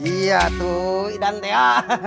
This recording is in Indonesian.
iya tuh idan thea